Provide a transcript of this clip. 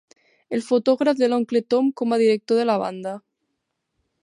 El fotògraf de l'oncle Tom com a director de la banda.